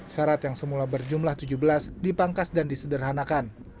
syarat yang semula berjumlah tujuh belas dipangkas dan disederhanakan